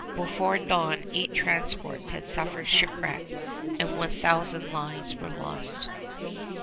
Before dawn eight transports had suffered shipwreck and one thousand lives were lost.